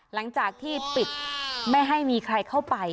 หลังจากที่ปิดไม่ให้มีใครเข้าไป